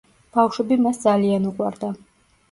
ბავშვები მას ძალიან უყვარდა.